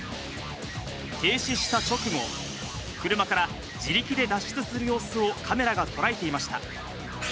停止した直後、車から自力で脱出する様子をカメラが捉えていました。